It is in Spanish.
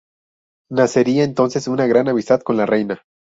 Nacería entonces una gran amistad con la reina.